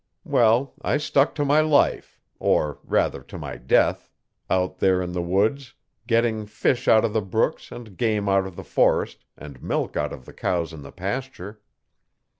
Well, I stuck to my life, or rather to my death, O there in the woods getting fish out of the brooks and game out of the forest, and milk out of the cows in the pasture.